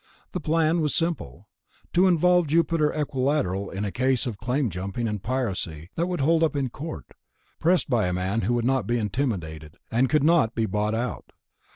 The plan was simple: to involve Jupiter Equilateral in a case of claim jumping and piracy that would hold up in court, pressed by a man who would not be intimidated and could not be bought out.